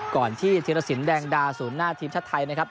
ก่อนที่ธีรสินแดงดาศูนย์หน้าทีมชาติไทยนะครับ